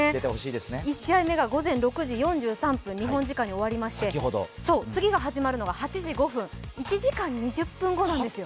１試合目が午前６時４３分、日本時間で終わりまして次に始まるのが８時５分ということで、１時間２０分後なんです。